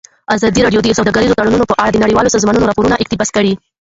ازادي راډیو د سوداګریز تړونونه په اړه د نړیوالو سازمانونو راپورونه اقتباس کړي.